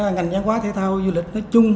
ngành giáo hóa thể thao du lịch nói chung